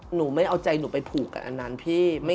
หนูไม่เอาใจหนูไปผูกกับอันนั้นพี่